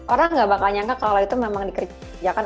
orang gak bakal nyangka kalau itu memang dikerjakan